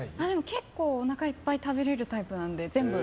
結構、おなかいっぱい食べれるタイプなので全部。